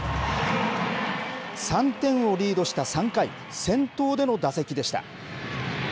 ３点をリードした３回、先頭での打席でした。